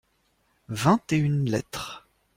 Vingt et une lettres.